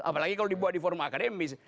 apalagi kalau dibuat di forum akademis